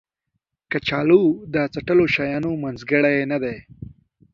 کچالو د څټلو شیانو منځګړی نه دی